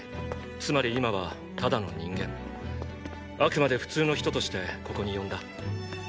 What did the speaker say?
つまり今はただの人間ーーあくまで普通の人としてここに呼んだ。